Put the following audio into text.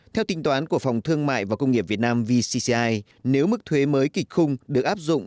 theo tính toán của phòng thương mại và công nghiệp việt nam vcci nếu mức thuế mới kịch khung được áp dụng